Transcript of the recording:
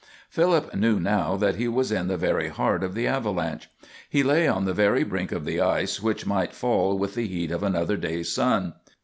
Philip knew now that he was in the very heart of the avalanche. He lay on the very brink of the ice which might fall with the heat of another day's sun.